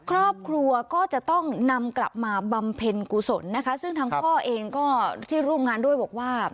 ครอบครัวก็จะต้องนำกลับมาบำเพ็ญกุศลนะคะซึ่งทางพ่อเองก็ที่ร่วมงานด้วยบอกว่า